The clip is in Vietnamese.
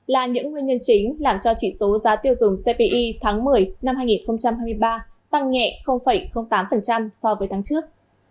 là những nguyên nhân chính làm cho chỉ số giá tiêu dùng cpi tháng một mươi năm hai nghìn hai mươi ba tăng nhẹ tám so với tháng trước